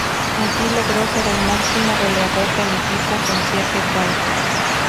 Allí logró ser el máximo goleador del equipo con siete tantos.